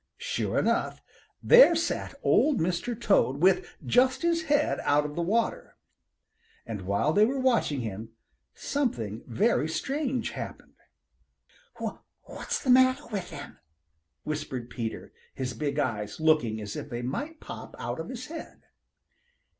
Sure enough, there sat Old Mr. Toad with just his head out of water. And while they were watching him, something very strange happened. "What what's the matter with him?" whispered Peter, his big eyes looking as if they might pop out of his head.